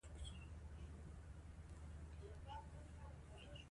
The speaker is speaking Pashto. چې داکتر د ناکام تېښتې وروسته